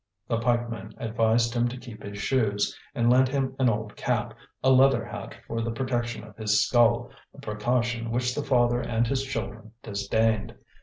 The pikeman advised him to keep his shoes, and lent him an old cap, a leather hat for the protection of his skull, a precaution which the father and his children disdained.